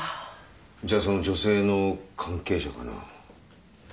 じゃあその女性の関係者かな？